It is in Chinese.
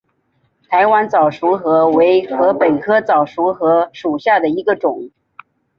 台湾早熟禾为禾本科早熟禾属下的一个种。